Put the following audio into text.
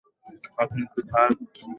আপনি কে স্যার?